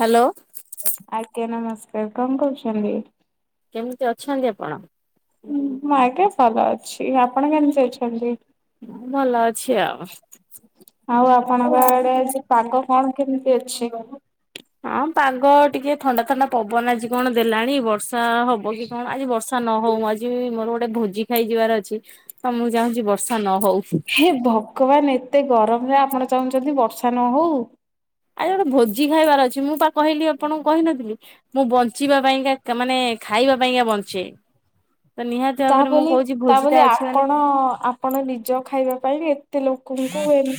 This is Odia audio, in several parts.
ହ୍ୟାଲୋ ଆଜ୍ଞା, ନମସ୍କାର କଣ କହୁଛନ୍ତି? କେମିତି ଅଛନ୍ତି ଆପଣ? ଉଁ, ମୁଁ ଆଜ୍ଞା ଭଲ ଅଛି। ଆପଣ କେମିତି ଅଛନ୍ତି? ମୁଁ ଭଲ ଅଛି ଆଉ। ଆଉ ଆପଣଙ୍କ ଆଡେ, ଆଜି ପାଗ କଣ କେମିତି ଅଛି? ହଁ ପାଗ ଟିକେ ଥଣ୍ଡା ଥଣ୍ଡା ପବନ ଆଜି କଣ ଦେଲାଣି ବର୍ଷା ହବ କି କଣ? ଆଜି ବର୍ଷା ନହଉ। ମୁଁ ଆଜି ମୋର ଗୋଟେ ଗୋଟେ ଭୋଜି ଖାଇଯିବାର ଅଛି। ତ ମୁଁ ଚାହୁଁଛି ବର୍ଷା ନ ହଉ ହେ ଭଗବାନ! ଏତେ ଗରମରେ ଆପଣ ଚାହୁଁଛନ୍ତି ବର୍ଷା ନହଉ? ଆରେ ଗୋଟେ ଭୋଜି ଖାଇବାର ଅଛି। ମୁଁ ପା କହିଲି ଆପଣଙ୍କୁ କହି ନଥିଲି? ମୁଁ ବଞ୍ଚିବା ପାଇଁକା, ମାନେ ଖାଇବା ପାଇଁକା ବଞ୍ଚେ। ତ ନିହାତି ତା ଭାବରେ ମୁଁ ବୋଲି କହୁଛି ତା ଭୋଜିଟା ବୋଲି ଅଛି ମାନେ ମୁଁ ଆପଣ! ଆପଣ ନିଜ ଖାଇବା ପାଇଁ ବି ତେ ଲୋକଙ୍କୁ ଏମ୍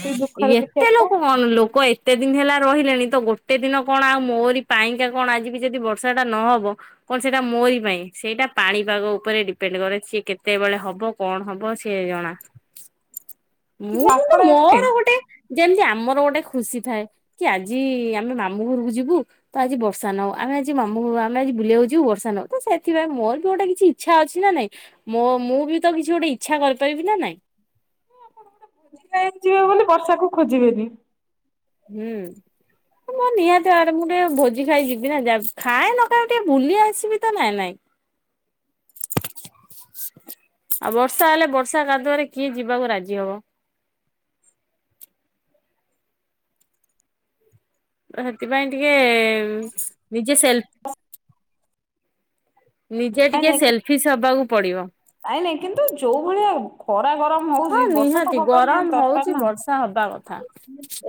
ଏତେ ଲୋକ କଣ! ଲୋକ ଏ ତେ ଦିନ ହେଲା ରହିଲେଣି, ତ ଗୋଟେ ଦିନ କଣ ଆଉ ମୋରି ପାଇଁକା କଣ ଆଜି ବି ଯଦି ବର୍ଷା ଟା ନହବ! କଣ ସେଇଟା ମୋରି ପାଇଁ ସେଇଟା, ପାଣିପାଗ ଉପରେ ଡିପେଣ୍ଡ କରେ। ସିଏ କେତେବେଳେ ହବ କଣ ହବ? ସିଏ ଅଣା। ମୁଁ କିନ୍ତୁ ଆପଣ ଏମିତି ମୋର ଗୋଟେ ଯେମିତି ଆମର ଗୋଟେ ଖୁସି ଥାଏ। କି ଆଜି ଆମେ ମାମୁଁ ଘରକୁ ଯିବୁ ତ ଆଜି ବର୍ଷା ନ ଆମେ ଆଜି ମାମୁଁ ଆମେ ଆଜି ବୁଲିଆକୁ ଯିବୁ, ବର୍ଷା ନଉ ତ ସେଥିପାଇଁ, ମୋର ବି ଗୋଟେ କିଛି ଇଛା ଅଛି ନା ନାଇଁ? ମୁଁ ବି ତ କିଛି ଗୋଟେ ଇଚ୍ଛା କରିପାରିବି ନା ନାଇଁ? ଜିଏ ବୋଲି ବର୍ଷାକୁ ଖୋଜିବେନି? ହୁଁ। ମୋ ନିହାତି ଆଡେ ମୁଁ ଟିକେ ଭୋଜି ଖାଇ ଯିବିନା। ଯା ଖାଏ ନ ଖାଏ ଟିକେ ଭୁଲି ଆସିବି ତ ନାଇଁ ନାଇଁ? [inaudible] ଆଉ ବର୍ଷା ହେଲେ, ବର୍ଷା କାଦୁଆରେ କିଏ ଯିବାକୁ ରାଜି ହବ? [inaudible] ହେଥିପାଇଁ ଟିକେ ନିଜେ ସେଲ୍ଫ ନିଜେ ନାଇଁ ଟିକେ ନାଇଁ ସେଲଫିସ୍ ହବାକୁ ପଡିବ। ନାଇଁ ନାଇଁ କିନ୍ତୁ ଯୋଉ ଭଳିଆ ଖରା ଗରମ ହଁ ହଉଛି ବର୍ଷା ତ ନିହାତି! ହବା ନିହାତି ଗରମ ଦରକାର ହଉଛି ନା। ବର୍ଷା ହବା କଥା।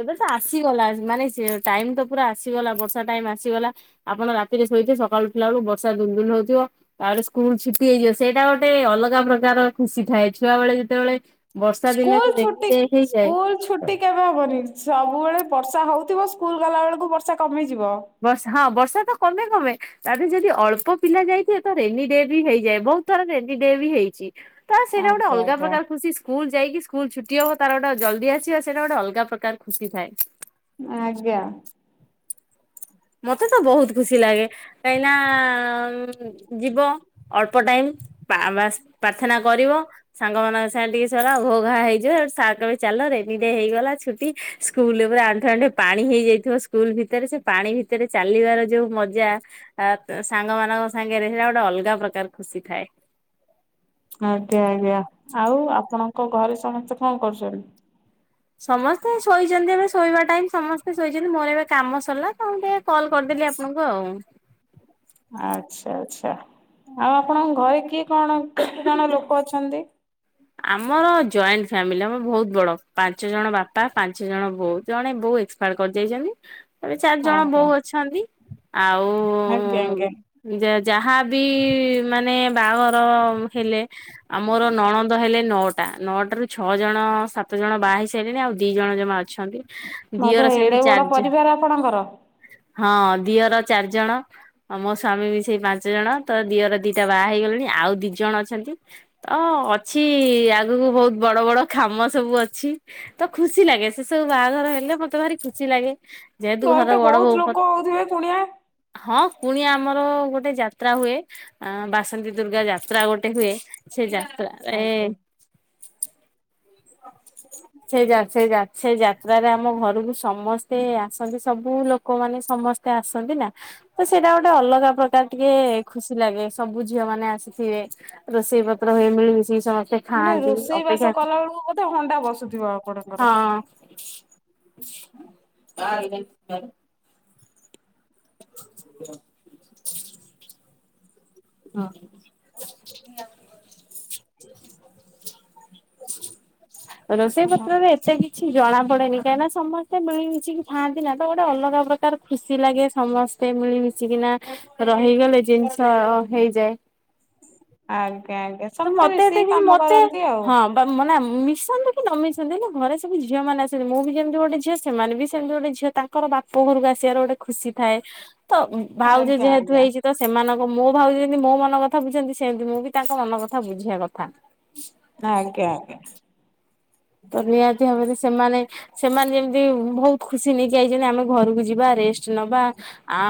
ଏବେ ତ ଆସିଗଲା। ମାନେ ସେ ଟାଇମ୍ ତ ପୁରା ଆସିଗଲା। ବର୍ଷା ଟାଇମ୍ ଆସିଗଲା। ଆପଣ ରାତିରେ ଶୋଇଥିବେ, ସକାଳୁ ଉଠ ଲା ଳକୁ, ବର୍ଷା ଦୁଲ୍ ଦୁଲ୍ ହଉଥିବ। ତାପରେ ସ୍କୁଲ ଛୁଟି ହେଇଯିବ। ସେଇଟା ଗୋଟେ ଅଲଗା ପ୍ରକାରର ଖୁସି ଥାଏ। ଚୁଆ ବେଳେ ଯେତେବେଳେ? ବର୍ଷା ଦିନରେ ସ୍କୁଲ ରେନି ଛୁଟି, ଡେ ହେଇଯାଏ ସ୍କୁଲ ଛୁଟି କେବେ ହବନି? ସବୁବେଳେ ବର୍ଷା ହଉ ଥିବ। ସ୍କୁଲ ଗଲା ବେଳକୁ ବର୍ଷା କମି ବର୍ଷ ହଁ ବର୍ଷ ତ କମେ କମେ ତାେରେ ଯଦି ଅଳ୍ପ ପିଲା ଯାଇଥିବେ ତ ରେନି ଡେ ବି ହେଇଯାଏ ବହୁତ ଥର ରେନି ଡେ ବି ହେଇଛି। ତ ସେଇଟା ଗୋଟେ ଆଜ୍ଞା ଅଲଗା ଆଜ୍ଞା ପ୍ରକାର ଖୁସି ସ୍କୁଲ ଯାଇକି ସ୍କୁଲ ଛୁଟି ହବ ତାର ଗୋଟେ ଜଲଦି ଆସିବ ସେଇଟା ଗୋଟେ ଅଲଗା ପ୍ରକାର ଖୁସି ଥାଏ। ଆଜ୍ଞା। ମତେ ତ ବହୁତ ଖୁସି ଲାଗେ କାହିଁନା ଯିବ ଅଳ୍ପ ଟାଇମ୍ ବାସ ପ୍ରାର୍ଥନା କରିବ ସାଙ୍ଗମାନାନଙ୍କ ସାଏ ଟିକେ ସ ଘୋ ଘା ହେଇଯିବ ଚାଲ ରେନି ଡେ ହେଇଗଲା ଛୁଟି ସ୍କୁଲ ଉପରେ ଆଣ୍ଠେ ଆଣ୍ଠେ ପାଣି ହେଇଯାଇଥିବ ସ୍କୁଲ ଭିତରେ ସେ ପାଣି ଭିତରେ ଭିତରେ ଚାଲିବାର ଯୋଉ ମଜା ସାଙ୍ଗ ମାନଙ୍କ ସାଙ୍ଗରେ ସେଇଟା ଗୋଟେ ଅଲଗା ପ୍ରକାର ଖୁସି ଥାଏ। ହ [unintelligible] ଆଜ୍ଞା-ଆଜ୍ଞା ଆଉ ଆପଣଙ୍କ ଘରେ ସମସ୍ତେ କଣ କରୁଛନ୍ତି? ସମସ୍ତେ ଶୋଇଛନ୍ତି ଏମ ଶୋଇବା ଟାଇମ ସମସ୍ତେ ଶୋଇଛନ୍ତି ମୋର ଏବେ କାମ ସରିଲା ତ ଟିକେ କଲ୍ କରିଦେଲି ଆପଣଙ୍କୁ ଆଉ। ଆଚ୍ଛା-ଆଚ୍ଛା। ଆଉ ଆପଣଙ୍କ ଘରେ କିଏ କଣ କେତେ ଜଣ ଲୋକ ଅଛନ୍ତି? ଆମର ଜଏଣ୍ଟ ଫ୍ୟାମିଲି ଆମର ବହୁତ ବଡ ପାଞ୍ଚ ଜଣ ବାପା ପାଞ୍ଚ ଜଣ ବୋଉ ଜଣେ ବୋଉ ଏକ୍ସପାଡ କରିଯାଇଛନ୍ତି ଏ ଚାରି ଜଣ ଆଜ୍ଞା ବୋଉ ଅଛନ୍ତି। ଆଉ ଆଜ୍ଞା ଆଜ୍ଞା ଯାହାବି ମାନେ ବାହାଘର ହେଲେ ଆମର ନଣ ହେଲେ ନଅଟା ନଅଟା ରୁ ଛଅ ଜଣ ସାତ ଜଣ ବାହା ହେଇ ସାରିଲେଣି ଆଉ ଦି ଜଣ ଜମା ଅଛ ଅଛନ୍ତି ବାବା ଦିଅର ଏଡେ ସେମିତି ବଡ ଚାରିଜ ପରିବାର ଆପଣଙ୍କର। ହଁ ଦିଅର ଚାରିଜଣ ମୋ ସ୍ଵାମୀ ବି ସେଇ ପାଞ୍ଚ ଜଣ ତ ଦିଅର ଦିଟା ବାହା ହେଇଗଲେଣି। ଆଉ ଦି ଜଣ ଅଛନ୍ତି ତ ଅଛି ଆଗକୁ ବହୁତ ବଡ଼ ବଡ଼ ଖାମ ସବୁ ଅଛି ତ ଖୁସି ଲାଗେ ସେ ସବୁ ବାହାଘର ହେଲେ ମତେ ଭାରି ଖୁସି ଲାଗେ ଯେହେତୁ ଘରେ ଘର ତ ବଡ଼ ବହୁତ ବୋଉ। ଲୋକ ହଉଥିବେ କୁଣିଆ। ହଁ କୁଣିଆ ଆମର ଗୋଟେ ଯାତ୍ରା ହୁଏ ବାସନ୍ତି ଦୁର୍ଗା ଯାତ୍ରା ଗୋଟେ ହୁଏ। ସେ ଯାତ୍ରା ଆଜ୍ଞା ଏ ସେ ଯ ସେ ସେ ଯାତ୍ରାରେ ଆମ ଘରକୁ ସମସ୍ତେ ଆସନ୍ତି ସବୁ ଲୋକମାନେ। ସମସ୍ତେ ଆସନ୍ତି ନା ତ ସେଇଟା ଗୋଟେ ଅଲଗା ପ୍ରକାର ତା ଟିକେ ଖୁସି ଲାଗେ ସବୁ ଝିଅ ମାନେ ଆସିଥିବେ ରୋଷେଇ ପତ୍ର ହୁ ମିଳିମିଶି ସମ ସେ ମାନେ ଖାଆନ୍ତି ରୋଷେଇ ବାସ ଅପେକ୍ଷା କଲା ବେଳକୁ ବୋଧେ ହଣ୍ଡା ବସୁଥିବ ଆପଣଙ୍କର। ହଁ। ହଁ। ରୋଷେଇ ପତ୍ରରେ ଏତେକି କିଛି ଜଣା ପଡେନି କାହିଁକିନା ସମସ୍ତେ ମିଳିମିଶିକି ଥାଆନ୍ତି ନା ତ ଗୋଟେ ଅଲଗା ପ୍ରକାର ଖୁସି ଲାଗେ ସମସ୍ତେ ସେ ମିଳିମିଶିକିନା ରହିଗଲେ ଜିନିଷ ହେଇଯାଏ। ଆଜ୍ଞା-ଆଜ୍ଞା ତ ସମସ୍ତେ ମତେ ଏତେ ମିଶିକି କିଛି କାମ ମତେ କରନ୍ତି ଆଉ। ହଁ ବା ମାନାମ୍। ମିଶନ୍ତୁ କି ନ ମିଶନ୍ତି ହେଲେ ଘରେ ସବୁ ଝିଅମାନେ ଆସିଲେଣି। ମୁଁ ବି ଯେମିତି ଗୋଟେ ଝିଅ ସେମାନେ ବି ସେମିତି ଗୋଟେ ଝିଅ ତାଙ୍କର ବାପ ଘରକୁ ଆସିବାର ଗୋଟେ ଖୁସି ଥାଏ ତ ଭାଉଜ ଆଜ୍ଞା ଯେହେତୁ ଆଜ୍ଞା। ହେଇଛି ତ ସେମାନଙ୍କ ମୋ ଭାଉଜ ଯେମିତି ମୋ ମନ କଥା ବୁଝନ୍ତି ସେମିତି ମୁଁ ବି ତାଙ୍କ ମନ କଥା ବୁଝିବା କଥା। ଆଜ୍ଞା-ଆଜ୍ଞା। ତ ନିହାତି ଭାବରେ ସେମାନେ ସେମାନେ ଯେମିତି ବହୁତ ଖୁସି ନେଇକି ଯାଇଛନ୍ତି ଆମେ ଘରକୁ ଯିବ ରେଷ୍ଟ ନବା ଆ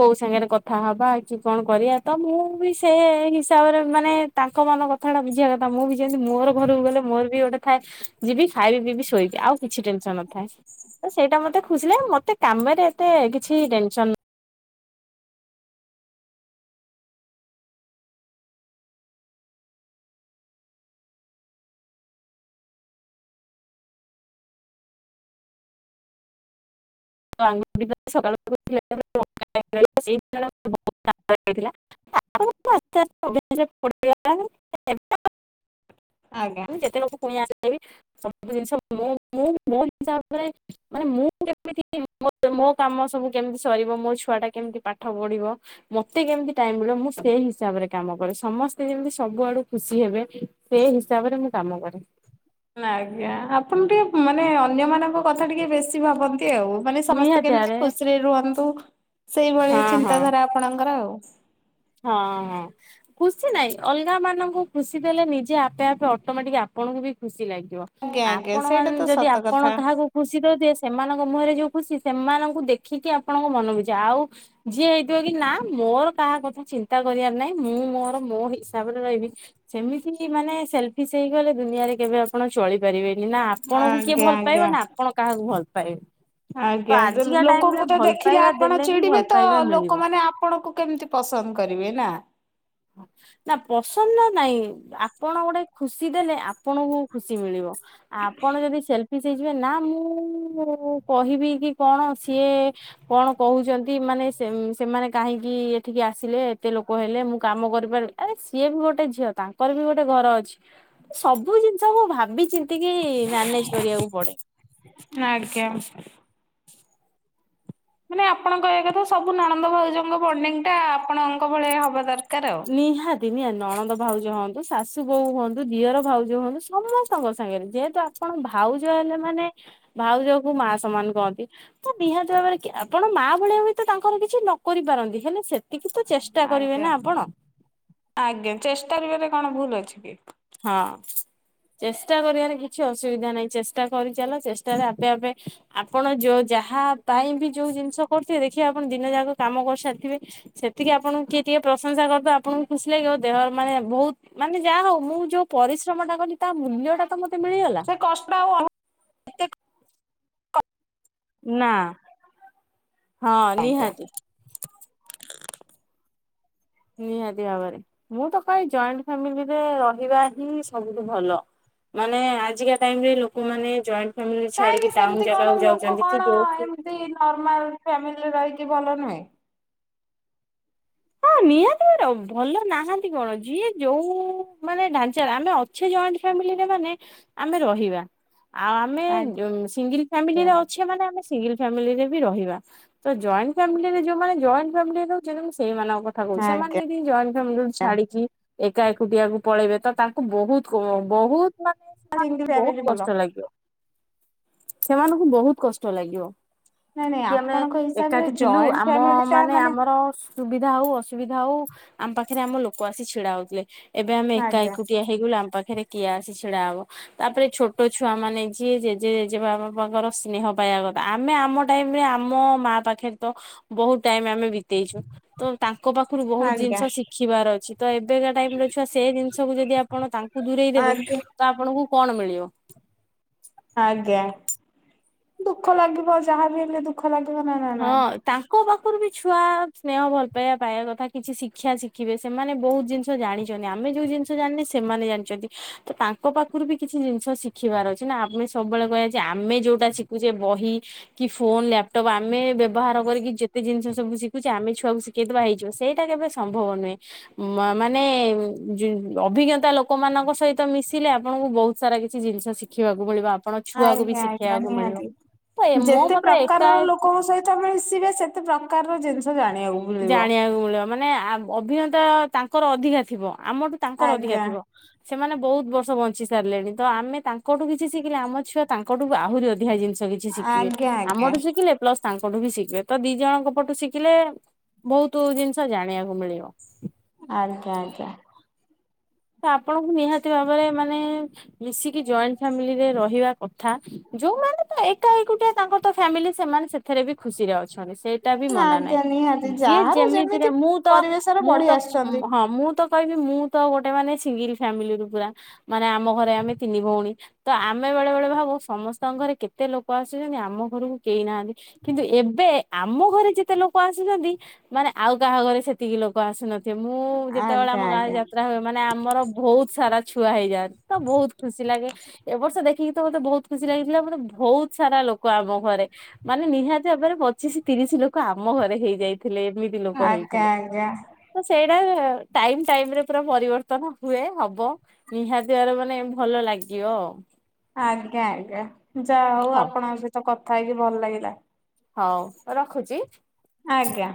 ବୋଉ ସାଙ୍ଗରେ କଥା ହବା କି କଣ କରିବା ତ ମୁଁ ବି ସେ ସେ ହିସାବରେ ମାନେ ତାଙ୍କ ମନ କଥାଟା ବୁଝିବା କଥା ମୁଁ ବି ଯେମିତି ମୋର ଘରକୁ ଗଲେ ମୋର ବି ଗୋଟେ ଥାଏ ଯିବି ଖାଇବି ପିିବି ଶୋଇକି ଆଉ କିଛି ଟେନସନ ନଥାଏ ତ ସେଇଟା ମତେ ଖୁସିିଲେ ମତେ ମୋତେ କାମରେ ଏତେ କିଛି ଟେନସନ [unintelligible] [unintelligible] ଆଜ୍ଞା ଯେତେକଥା ପୁଣି ଆସିବି ସବୁ ଜିନିଷ ମୁଁ ମୁଁ ମୋ ହିସାବରେ ମାନେ ମୁଁ କେମିତି ମୋ କାମ ସବୁ କେମିତି ସରିବ ମୋ ଛୁଆଟା କେମିତି ପାଠ ପଢି଼ବ ମତେ କେମିତି ଟାଇମ ମିଳିବ ମୁଁ ସେଇ ହିସାବରେ କାମ କରେ ସମସ୍ତେ ଯେମିତି ସବୁଆଡୁ ଖୁସି ହେବେ ସେ ସେ ହିସାବରେ ମୁଁ କାମ କରେ। ଆଜ୍ଞା ଆପଣ ଟିକେ ମାନେ ଅନ୍ୟ ମାନଙ୍କ କଥା ଟିକେ ବେଶୀ ଭାବନ୍ତି? ସେ ଆଉ ମାନେ ସମସ୍ତେ ନିହାତି କେମିତି ଆରେ ଖୁସିରେ ରୁହନ୍ତୁ ସେଇ ହଁ ଭଳିଆ ହଁ। ଚିନ୍ତାଧାରା ଆପଣଙ୍କର ଆଉ। ହଁ ହଁ ଖୁସି ନାଇଁ ଅଲଗା ମାନଙ୍କୁ ଖୁସି ଦେଲେ ନିଜେ ଆପେ ଆପେ ଅଟୋମେଟିକ ଆପଣଙ୍କୁ ବି ଖୁସି ଲାଗିବ ଆଜ୍ଞା ଆଜ୍ଞା ସେଇଟା ଆପଣମାନ ତ ଯଦି ସତ ଆପଣ କଥା କାହାକୁ ଖୁସି ଦଉଥି ସେମାନଙ୍କ ମୁହଁରେ ଯୋଉ ଖୁସି ସେମାନଙ୍କୁ ଦେଖିକି ଆପଣଙ୍କ ମନ ବୁଯା ଆଉ ଯିଏ ହେଇଥିବ କି ନା ମୋର କାହା କଥା ଚିନ୍ତା କରିବାର ନାହିଁ ମୁଁ ମୋର ମୋ ହିସାବରେ ରହିବି ସେମିତି ମାନେ ସେଲଫିସ୍ ହେଇ ଗଲେ ଦୁ ଦୁନିଆରେ କେବେ ଆପଣ ଚଳିପାରିବେନି ନା ଆପଣଙ୍କୁ କିଏ ଆଜ୍ଞା ଭଲ ଆଜ୍ଞା। ପାଇବ ନା ଆପଣ କାହାକୁ ଭଲ ପାଇବେ। ତ ଆଜ୍ଞା ଦେ ଆଜିକା ଟାଇମ ରେ ଲୋକଙ୍କୁ ତ ଭଲ ଦେଖିଲେ ପାଇବା ଆପଣ ଦେଲେ ହିଁ ଭଲ ଚିଡିବେ ତ ପାଇବା ମିଳିବ। ଲୋକମାନେ ଆପଣଙ୍କୁ କେମିତି ପସନ୍ଦ କର କରିବେ ନା ନା ପସନ୍ଦ ନାଇଁ ଆପଣ ଗୋଟେ ଖୁସି ଦେଲେ ଆପଣଙ୍କୁ ଖୁସି ମିଳିବ। ଆପଣ ଯଦି ସେଲ୍ଫ ସେଲଫିସ ହେଇଯିବେ ନା ମୁଁ କହିବି କି କଣ ସିଏ କଣ କହୁଛନ୍ତି? ମାନେ ସେ-ସେମାନେ କାହିଁକି ଏଠିକି ଆସିଲେ ଏତେ ଲୋକ ହେଲେ କାମ କରିପାରିଲି ଆରେ ସିଏ ବି ଗୋଟେ ଝିଅ ତାଙ୍କର ବି ଗୋଟେ ଘର ଅଛି ସବୁ ଜିନିଷ ମୁଁ ଭାବି ଚି ଟିକେ ମାନେଜ କରିବାକୁ ପଡେ଼। ଆଜ୍ଞା। ମାନେ ଆପଣଙ୍କ ଏ କଥା ସବୁ ନଣନ୍ଦ ଭାଉଜଙ୍କ ବଣ୍ଡିଙ୍ଗ ଟା ଆପଣଙ୍କ ଭଳିଆ ହବା ଦରକା ନିହାତି ନିଆ ନଣନ୍ଦ ଭାଉଜ ହଁ। ଶାଶୁ ବୋଉ ହୁଅନ୍ତୁ ଦିଅର ଭାଉଜ ହୁଅନ୍ତୁ ସମସ୍ତଙ୍କ ସାଙ୍ଗରେ ଯେହେତୁ ଆପଣ ଭାଉଜ ହେଲେ ମାନେ ଭାଉଜକୁ ମା ସମାନ କହନ୍ତି ତ ନିହାତି ଭାବରେ ଆପଣ ମା ଭଳିଆ ହୁଏ ତ ତାଙ୍କର କିଛି ନ ନ କରିପାରନ୍ତି ହେଲେ ସେତିକି ତ ଚେଷ୍ଟା କରିବେ ଆଜ୍ଞା ନା ଆପଣ? ଆଜ୍ଞା ଚେଷ୍ଟା କରିବରେ କଣ ଭୁଲ ଅଛି କି? ହଁ। ଚେଷ୍ଟା କରିବାରେ କିଛି ଅସୁବିଧା ନାହିଁ ଚେଷ୍ଟା କରିଚଲ ଚେଷ୍ଟାରେ ଆପେ ଆପେ ଆପଣ ଯୋଉ ଯାହା ପାଇଁ ବି ଯୋଉ ଜିନିଷ କରୁଥିବ ଦେଖିବା ଆପଣ ଦିନ ଯାକ କାମ କରିସାରିଥିବେ ସେତିକି ଆପଣ କିଏ ଟିକେ ପ୍ରଶଂସା କରିଦେ ଆପଣଙ୍କୁ ଖୁସି ଲାଗିବ ଦେହ ମାନେ ବହୁତ ମାନେ ଯାହା ହଉ ମୁଁ ଯୋଉ ପରିଶ୍ରମ ଟା କଲି ତା ମୂଲ୍ୟଟା ତ ମତେ ମିଳିଗଲା ସେ କଷ୍ଟା ଆଉ [unintelligible] ତେ ନା ହଁ ଆଜ୍ଞା ନିହାତି। ନିହାତି ଭାବରେ ମୁଁ ତ କହେ ଜଏଣ୍ଟ ଫାମିଲିରେ ରହିବା ହିଁ ସବୁଠୁ ଭଲ। ମାନେ ଆଜିକା ଟାଇମରେ ଲୋକମାନେ ଜ କାହିଁକି ସେମିତି କଣ ଲୋକ କି କଣ ଯୋଉ ଏମିତି ନର୍ମାଲ ଫ୍ୟାମିଲିରେ ରହିି ଭଲ ନୁହେଁ? ହଁ ନିହାତି ମ୍ୟାଡ଼ାମ ଭଲ ନାହାନ୍ତି କଣ ଯିଏ ଯୋଉ ମାନେ ଢାଞ୍ଚାରେ ଆମେ ଅଛେ ଜ ପ୍ୟାମିଲିରେ ମାନେ ଆମେ ରହିବା। ଆଉ ଆମେ ଯୋ ସିଙ୍ଗଲ ଆଜ୍ଞା ଫ୍ୟାମିଲିରେ ଅଛେ ମାନେ ଆମେ ସିଙ୍ଗଲ ଫାମିଲିରେ ବି ରହିବା ତ ଜଏଣ୍ଡ ଫାମିଲିରେ ଯୋଉ ମାନେ ଜଏଣ୍ଟ ଫାମିଲ ରେ ରହୁଛନ ମୁଁ ସେମାନେ କଥା କହୁଛି ସେମାନେ ଆଜ୍ଞା ଯଦି ଜଏଣ୍ଡ ଫ୍ୟାମିଲି ରୁ ଛାଡିକି ଏକା ଏକୁଟିଆକୁ ପଳେଇବେ ତ ତାଙ୍କୁ ବହୁତ କୋ ବହୁତ ମାନେ ଆ ସେମାନଙ୍କୁ ବହୁତ [unintelligible] ଭଲ। କଷ୍ଟ ଲାଗିବ ସେମାନଙ୍କୁ ବହୁତ କଷ୍ଟ ଲାଗିବ। ନାଇଁ ନାଇଁ କି ଆମେ ଆପଣଙ୍କ ହିସାବରେ ଏକାଠି ଥିଲୁ ଜଏଣ୍ଟ ଆମ ଫ୍ୟାମିଲି ଟା ମାନେ ଆମର ସୁବିଧା ହଉ ଅସୁବିଧା ହଉ ଆମ ପାଖରେ ଆମ ଲୋକ ଆସି ଛିଡା ହଉଥିଲେ। ଏବେ ଆମେ ଏକା ଆଜ୍ଞା ଏକୁଟିଆ ହେଇଗଲୁ ଆମ ପାଖରେ କିଏ ଆସି ଛିଡା ହବ ତାପରେ ଛୋଟ ଛୁଆ ମାନେ ଯିଏ ଜେଜେ ଜେଜେ ବାପାଙ୍କର ସ୍ନେହ ପାଇବା ଆମେ ଆମ ଟାଇମରେ ଆମ ମା ପାଖରେ ତ ବହୁତ ଟାଇମ ଆମେ ବିତେଇଛୁ ତ ତାଙ୍କ ପାଖରୁ ବହୁତ ଆଜ୍ଞା ଜିନିଷ ଶିଖିବାର ଅଛି। ତ ଏବେକା ଟାଇମ ର ଛୁଆ ସେ ଜିନିଷକୁ ଯଦି ଆପଣ ତାଙ୍କୁ ଦୂରେଇ ଦେେବେ ଆଜ୍ଞା ତ ଆପଣଙ୍କୁ କଣ ମିଳିବ? ଆଜ୍ଞା ଦୁଃଖ ଲାଗିବ ଯାହାବି ହେଲେ ଦୁଃଖ ଲାଗି ହଁ ତାଙ୍କ ପାଖରୁ ବି ଛୁଆ ସ୍ନେହ ଭଲ ପାଇବା ପାଇବା କଥା କିଛି ଶିକ୍ଷା ଶିଖିବେ ସେମାନେ ବହୁତ ଜିନିଷ ଜାଣିଚନ୍ତି ଆମେ ଯୋଉ ଜିନିଷ ଜାଣିନେ ସେ ମାନେ ଜାଣିଚନ୍ତି ତ ତାଙ୍କ ପାଖରୁ ବି କିଛି ଜିନିଷ ଶିଖିବାର ଅଛି ନା ଆମେ ସବୁବେଳେ କହିବା ଯେ ଆମେ ଯୋଉଟା ସିକୁଚେ ବହି କି ଫୋନ ଲ୍ୟାପଟପ ଆ ମେ ବ୍ୟବହାର କରିକି ଯେତେ ଜିନିଷ ସବୁ ଶିଖୁଛେ ଆମେ ଛୁଆକୁ ଶିଖେଇଥିବା ହେଇଯିବ ସେଇଟା କେବେ ସମ୍ଭବ ନୁହେଁ। ମ-ମାନେ ଯୋ ଅଭିଜ୍ଞତା ଲୋ କମାନଙ୍କ ସହିତ ମିଶିଲେ ଆପଣଙ୍କୁ ବହୁତ ସାରା କିଛି ଜିନିଷ ଶିଖିବାକୁ ମିଳିବ। ଆପଣ ଛୁଆକୁ ବି ଆଜ୍ଞା ଆଜ୍ଞା ଶିଖେଇବାକୁ ମିଳିବ ନିହାତି। ତ ମୋ ମତରେ ଏକାଏ ତମେ ସିଟା ସେତେ ପ୍ରକାରର ଜିନିଷ ଜାଣି ଜାଣିବାକୁ ମିଳିବ ମାନେ ଆ-ଅଭିଜ୍ଞତା ତାଙ୍କର ଅଧିକା ଥିବ। ଆମଠୁ ତାଙ୍କର ଅଧିକା ଆଜ୍ଞା ଥିବ। ସେମାନେ ବହୁତ ବର୍ଷ ବଞ୍ଚି ସାରିଲେଣି ତ ଆମେ ତାଙ୍କଠୁ କିଛି ଶିଖିଲେ ଆମ ଛୁଅ ତାଙ୍କଠୁ ଆହୁରି ଅଧିକା ଜିନିଷ କିଛି ଶିଖିବେ ଆଜ୍ଞା ଆଜ୍ଞା ଆମଠୁ ଶିଖିଲେ ପ୍ଲସ ତାଙ୍କଠୁ ବି ଶିଖିବେ ତ ଦି ଜଣଙ୍କ ପଟୁ ଶିକିଲେ ବହୁତ ଜିନିଷ ଜାଣିବାକୁ ମିଳିବ। ଆଜ୍ଞା ଆଜ୍ଞା। ତ ଆପଣଙ୍କୁ ନିହାତି ଭାବରେ ମାନେ ମିଶିକି ଜଏଣ୍ଟ ଫ୍ୟାମିଲିରେ ରହିବା କଥା। ଯୋଉମାନେ ତ ଏକା ଏକୁଟିଆ ତାଙ୍କର ତ ଫ୍ୟାମିଲି ସେମାନେ ସେଥିରେ ବି ଖୁସିରେ ଅଛ ସେଇଟା ବି ମନା ନାଇଁ ଆଜ୍ଞା ଦିଦି ଯିଏ ଯେମିତିରେ ମୁଁ ତ କରିବି। ମୁଁ ତ ହଁ ମୁଁ ତ କହିବି ମୁଁ ତ ଗୋ ଟେ ମାନେ ସିଙ୍ଗିଲ ଫାମିଲି ରୁ ପୁରା ମାନେ ଆମ ଘରେ ଆମେ ତିନି ଭଉଣୀ ତ ଆମେ ବେଳେବେଳେ ଭାବୁ ସମ ମସ୍ତଙ୍କ ଘରେ କେତେ ଲୋକ ଆସୁଚନ୍ତି ଆମ ଘରକୁ କେହି ନାହାନ୍ତି କିନ୍ତୁ ଏବେ ଆମ ଘରେ ଯେତେ ଲୋକ ଆସୁଚନ୍ତି ମାନେ ଆଉ କାହା ଘରେ ସେତିକି ଲୋକ ଆସୁନ ଥିବେ ମୁଁ ଯେତେବେଳେ ଆଜ୍ଞା ଆମ ଗାଁରେ ଆଜ୍ଞା ଯାତ୍ରା ହୁଏ ମାନେ ଆମର ବହୁତ ସାରା ଛୁଆ ହେଇଯାଆ ତ ବହୁତ ଖୁସି ଲାଗେ ଏ ବର୍ଷ ଦେଖିକି ତ ମତେ ବହୁତ ଖୁସି ଲାଗିଥିଲା ମତେ ବହୁତ ସାରା ଲୋକ ଆମ ଘରେ ମାନେ ନିହାତି ଭାବରେ ପଚିଶ ତିରିଶ ଲୋକ ଆମ ଘରେ ହେଇଯାଇ ଥିଲେ ଏମିତି ଲୋକ ଆଜ୍ଞା ହେଇଥିଲେ ଆଜ୍ଞା ତ ସେଇଟା ଟାଇମ୍ ଟାଇମ୍ ରେ ପୁରା। ପରିବର୍ତ୍ତନ ହୁଏ ହବ ନିହାତି ଭାବରେ ମାନେ ଭଲ ଲାଗିବ। ଆଜ୍ଞା ଆଜ୍ଞା ଯାହା ହଉ ଆଉ। ଆପଣଙ୍କ ସହିତ କଥା ହେଇକି ଭଲ ଲାଗିଲା। ହଉ ରଖୁଚି। ଆଜ୍ଞା।